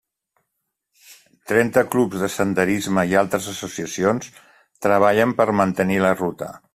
Trenta clubs del senderisme i altres associacions treballen per mantenir la ruta.